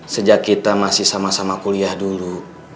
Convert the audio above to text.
sejak kita masih sama sama kuliah dulu